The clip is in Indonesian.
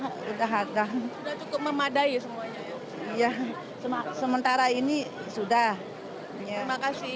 yang diperlukan apa yang diperlukan tidak udah udah hadah memadai sementara ini sudah makasih